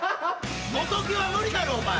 仏は無理だろお前。